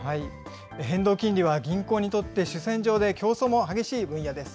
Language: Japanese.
変動金利は銀行にとって主戦場で競争も激しい分野です。